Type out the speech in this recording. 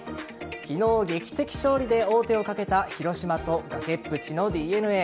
昨日劇的勝利で王手をかけた広島と崖っぷちのＤｅＮＡ。